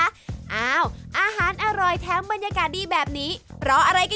ขอบคุณแม่งมากครับคุณค่ะ